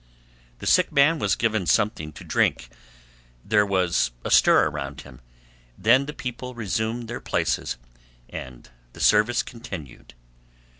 The sick man was given something to drink, there was a stir around him, then the people resumed their places and the service continued.